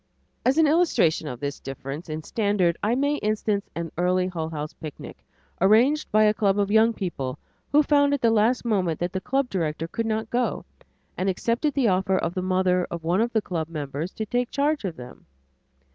As an illustration of this difference in standard, I may instance an early Hull House picnic arranged by a club of young people, who found at the last moment that the club director could not go and accepted the offer of the mother of one of the club members to take charge of them.